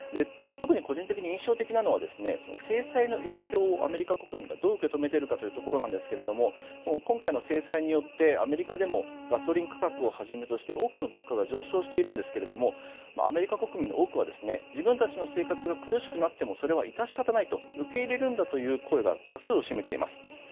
特に個人的に印象的なのは制裁の影響をアメリカ国民がどう受け止めているかというところなんですが今回の制裁によってアメリカでもガソリン価格をはじめとして多くの物価が上昇しているんですがアメリカ国民の多くは自分たちの生活が苦しくなってもそれは致し方ないと受け入れるんだという声が多数を占めています。